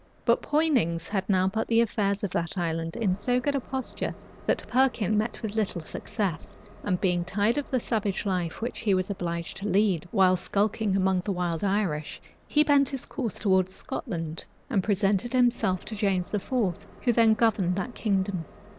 But Poynings had now put the affairs of that island in so good a posture, that Perkin met with little success; and being tired of the savage life which he was obliged to lead, while skulking among the wild Irish, he bent his course towards Scotland, and presented himself to James IV., who then governed that kingdom.